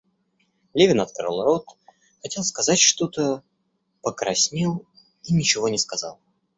Левин открыл рот, хотел сказать что-то, покраснел и ничего не сказал.